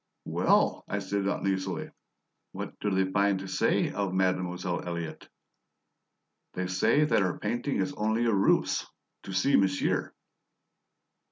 "Well," I said uneasily, "what do they find to say of Mademoiselle Elliott?" "They say that her painting is only a ruse to see monsieur."